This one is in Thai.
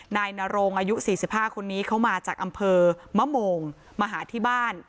นายนโรงอายุ๔๕คนนี้เขามาจากอำเภอมะโมงมาหาที่บ้าน